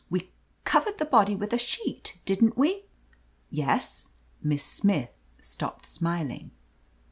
"We — covered the body with a sheet, didn't we?'* '*Yes," Miss Smith stopped smiling.